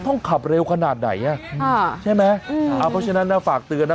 ต้องขับเร็วขนาดไหนอ่ะค่ะใช่ไหมเอาเพราะฉะนั้นนะฝากเตือนนะ